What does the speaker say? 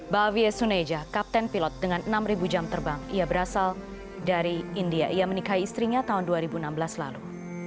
bavie suneja kapten pilot dengan enam jam terbang ia berasal dari india ia menikahi istrinya tahun dua ribu enam belas lalu